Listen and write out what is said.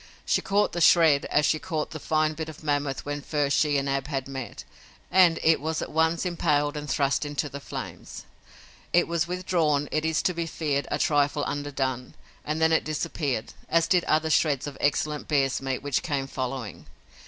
She caught the shred as she had caught the fine bit of mammoth when first she and Ab had met, and it was at once impaled and thrust into the flames. It was withdrawn, it is to be feared, a trifle underdone, and then it disappeared, as did other shreds of excellent bear's meat which came following.